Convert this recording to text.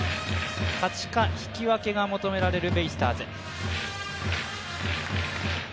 勝ちか引き分けが求められるベイスターズ。